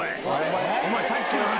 お前、さっきの話。